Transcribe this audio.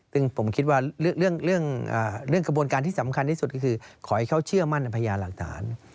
ซึ่งผมคิดว่าเรื่องกระบวนการที่สำคัญที่สุดก็คือขอให้เขาเชื่อมั่นในพยานหลักฐาน